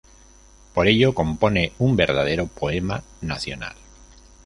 Por ello, compone un verdadero poema nacional.